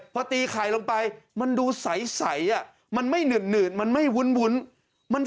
พอตีไข่ลงไปมันดูใสมันไม่หื่นมันไม่วุ้น